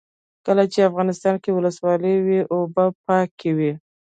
کله چې افغانستان کې ولسواکي وي اوبه پاکې وي.